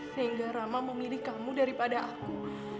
sehingga rama memilih kamu daripada aku